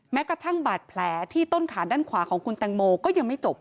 แม้กระทั่งบาดแผลที่ต้นขาด้านขวาของคุณแตงโมก็ยังไม่จบ